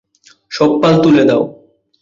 সব পাল তুলে দাও!